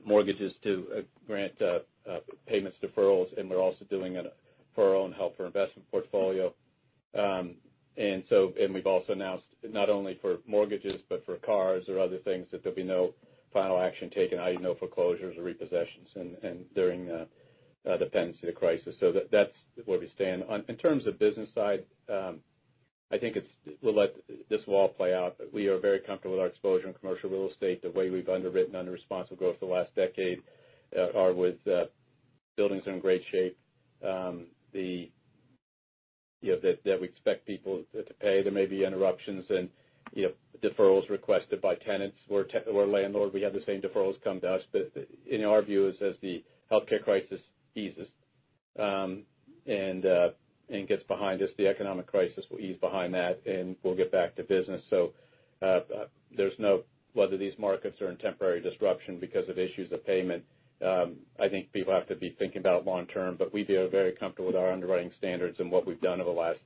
mortgages to grant payments deferrals. We're also doing it for our own help for investment portfolio. We've also announced not only for mortgages, but for cars or other things, that there'll be no final action taken. I do no foreclosures or repossessions during the dependency of the crisis. That's where we stand. In terms of business side, I think we'll let this all play out, but we are very comfortable with our exposure in commercial real estate. The way we've underwritten under responsible growth for the last decade are with buildings in great shape, that we expect people to pay. There may be interruptions and deferrals requested by tenants or landlords. We have the same deferrals come to us, but in our view, as the healthcare crisis eases and gets behind us, the economic crisis will ease behind that and we'll get back to business. Whether these markets are in temporary disruption because of issues of payment, I think people have to be thinking about long term. We feel very comfortable with our underwriting standards and what we've done over the last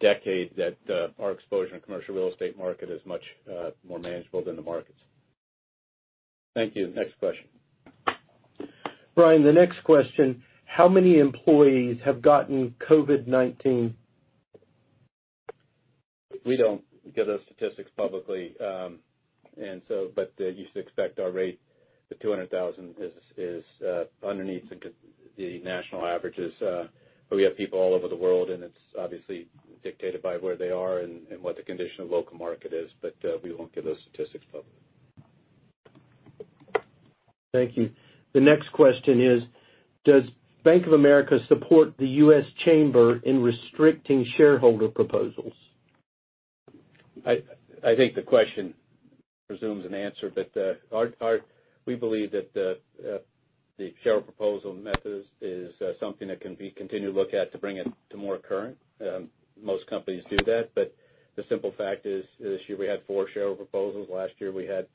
decade, that our exposure in commercial real estate market is much more manageable than the markets. Thank you. Next question. Brian, the next question. How many employees have gotten COVID-19? We don't give those statistics publicly. You should expect our rate, the 200,000, is underneath the national averages. We have people all over the world, and it's obviously dictated by where they are and what the condition of local market is. We won't give those statistics publicly. Thank you. The next question is: Does Bank of America support the U.S. Chamber in restricting shareholder proposals? I think the question presumes an answer. We believe that the shareholder proposal method is something that can be continually looked at to bring it to more current. Most companies do that. The simple fact is, this year we had four shareholder proposals. Last year we had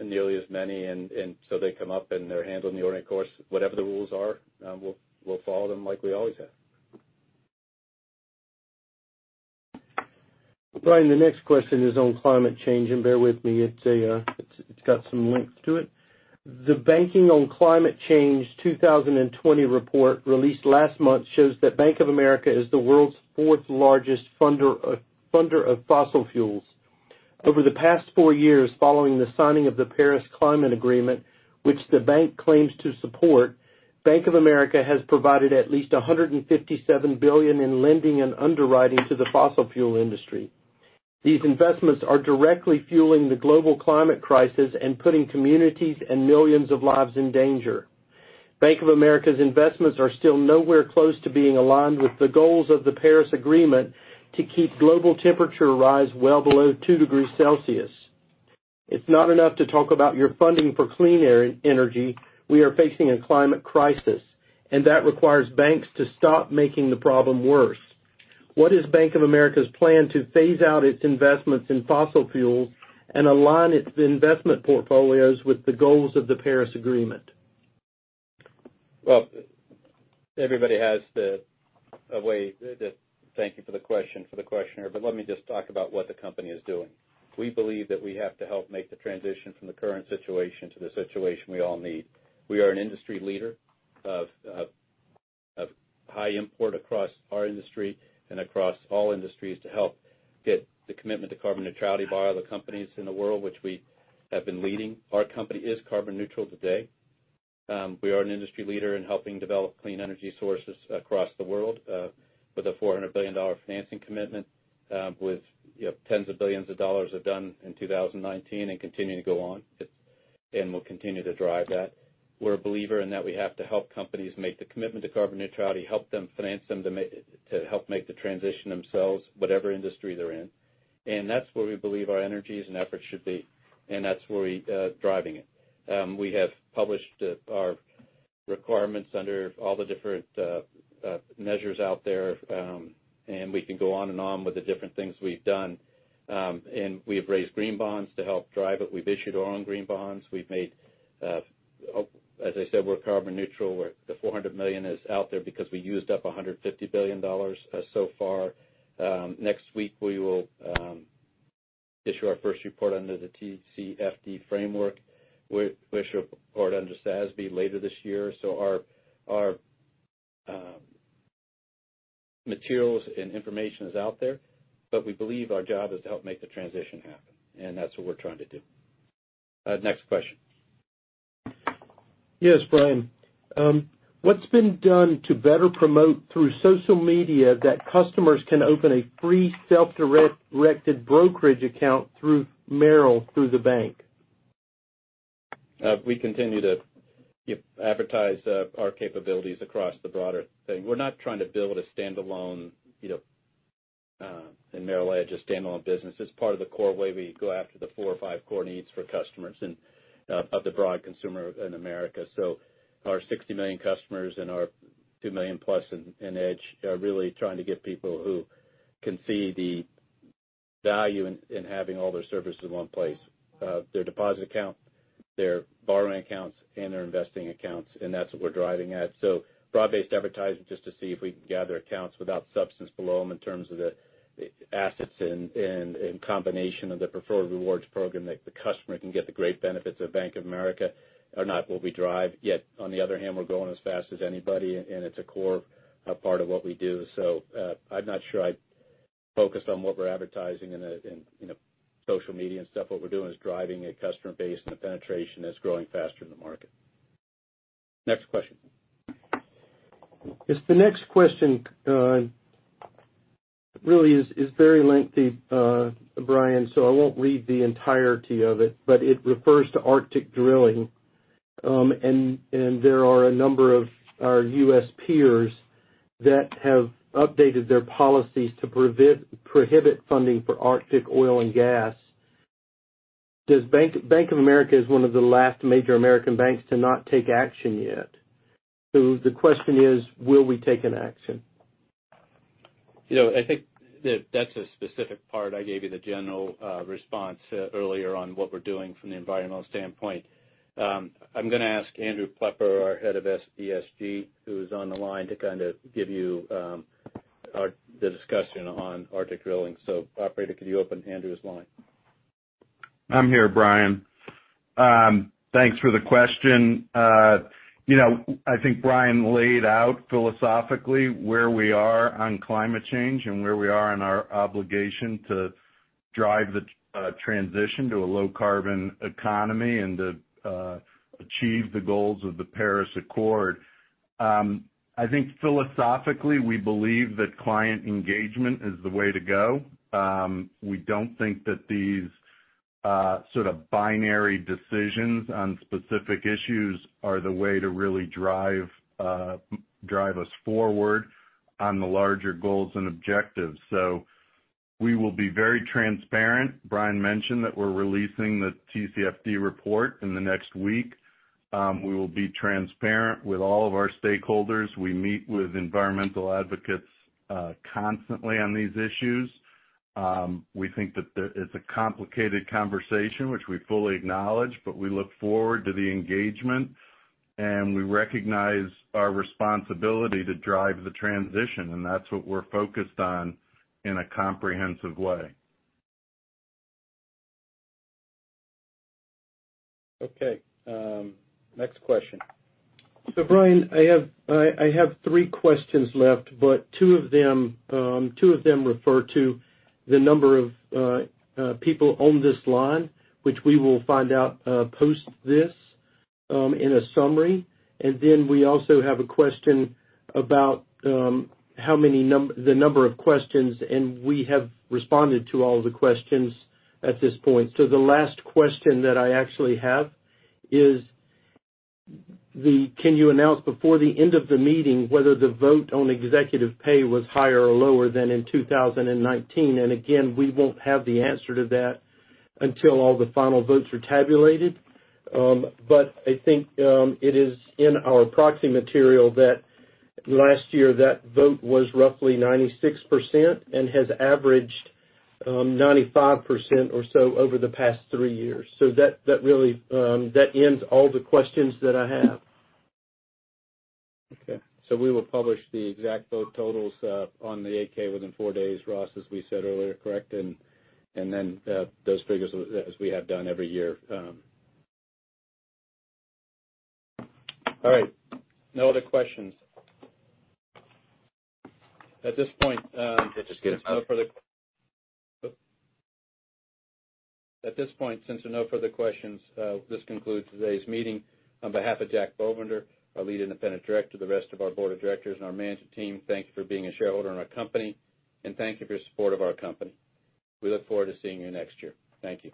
nearly as many, and so they come up and they're handled in the ordinary course. Whatever the rules are, we'll follow them like we always have. Brian, the next question is on climate change, and bear with me, it's got some length to it. The Banking on Climate Change 2020 report, released last month, shows that Bank of America is the world's fourth largest funder of fossil fuels. Over the past four years, following the signing of the Paris Agreement, which the bank claims to support, Bank of America has provided at least $157 billion in lending and underwriting to the fossil fuel industry. These investments are directly fueling the global climate crisis and putting communities and millions of lives in danger. Bank of America's investments are still nowhere close to being aligned with the goals of the Paris Agreement to keep global temperature rise well below two degrees Celsius. It's not enough to talk about your funding for clean energy. We are facing a climate crisis. That requires banks to stop making the problem worse. What is Bank of America's plan to phase out its investments in fossil fuels and align its investment portfolios with the goals of the Paris Agreement? Well, everybody has a way. Thank you for the question, for the questioner, let me just talk about what the company is doing. We believe that we have to help make the transition from the current situation to the situation we all need. We are an industry leader of high import across our industry and across all industries to help get the commitment to carbon neutrality by other companies in the world, which we have been leading. Our company is carbon neutral today. We are an industry leader in helping develop clean energy sources across the world, with a $400 billion financing commitment, with tens of billions of dollars of done in 2019 and continuing to go on. We'll continue to drive that. We're a believer in that we have to help companies make the commitment to carbon neutrality, help them finance them to help make the transition themselves, whatever industry they're in. That's where we believe our energies and efforts should be, and that's where we are driving it. We have published our requirements under all the different measures out there, and we can go on and on with the different things we've done. We have raised green bonds to help drive it. We've issued our own green bonds. As I said, we're carbon neutral, where the $400 million is out there because we used up $150 billion so far. Next week, we will issue our first report under the TCFD framework. We should report under SASB later this year. Our materials and information is out there, but we believe our job is to help make the transition happen, and that's what we're trying to do. Next question. Yes, Brian. What's been done to better promote through social media that customers can open a free self-directed brokerage account through Merrill, through the bank? We continue to advertise our capabilities across the broader thing. We're not trying to build a standalone, in Merrill Edge, a standalone business. It's part of the core way we go after the four or five core needs for customers and of the broad consumer in America. Our 60 million customers and our 2 million+ in Edge are really trying to get people who can see the value in having all their services in one place. Their deposit account, their borrowing accounts, and their investing accounts, that's what we're driving at. Broad-based advertising, just to see if we can gather accounts without substance below them in terms of the assets and combination of the Preferred Rewards program that the customer can get the great benefits of Bank of America are not what we drive. Yet, on the other hand, we're growing as fast as anybody, and it's a core part of what we do. I'm not sure I'd focus on what we're advertising in social media and stuff. What we're doing is driving a customer base, and the penetration is growing faster in the market. Next question. Yes, the next question really is very lengthy, Brian, so I won't read the entirety of it, but it refers to Arctic drilling. There are a number of our U.S. peers that have updated their policies to prohibit funding for Arctic oil and gas. Bank of America is one of the last major American banks to not take action yet. The question is: will we take an action? I think that's a specific part. I gave you the general response earlier on what we're doing from the environmental standpoint. I'm going to ask Andrew Plepler, our head of ESG, who is on the line, to kind of give you the discussion on Arctic drilling. Operator, could you open Andrew's line? I'm here, Brian. Thanks for the question. I think Brian laid out philosophically where we are on climate change and where we are in our obligation to drive the transition to a low-carbon economy and to achieve the goals of the Paris Agreement. I think philosophically, we believe that client engagement is the way to go. We don't think that these sort of binary decisions on specific issues are the way to really drive us forward. On the larger goals and objectives. We will be very transparent. Brian mentioned that we're releasing the TCFD report in the next week. We will be transparent with all of our stakeholders. We meet with environmental advocates constantly on these issues. We think that it's a complicated conversation, which we fully acknowledge, but we look forward to the engagement, and we recognize our responsibility to drive the transition, and that's what we're focused on in a comprehensive way. Okay. Next question. Brian, I have three questions left, but two of them refer to the number of people on this line, which we will find out post this in a summary. We also have a question about the number of questions, and we have responded to all of the questions at this point. The last question that I actually have is, can you announce before the end of the meeting whether the vote on executive pay was higher or lower than in 2019? Again, we won't have the answer to that until all the final votes are tabulated. I think it is in our proxy material that last year that vote was roughly 96% and has averaged 95% or so over the past three years. That ends all the questions that I have. Okay. We will publish the exact vote totals on the 8-K within four days, Ross, as we said earlier, correct? Those figures, as we have done every year. All right. No other questions. Let's just get it out. At this point, since there are no further questions, this concludes today's meeting. On behalf of Jack Bovender, our lead independent director, the rest of our board of directors, and our management team, thank you for being a shareholder in our company, and thank you for your support of our company. We look forward to seeing you next year. Thank you.